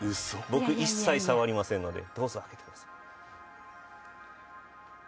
僕一切触りませんのでどうぞあけてください。